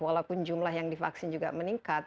walaupun jumlah yang divaksin juga meningkat